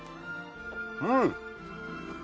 うん！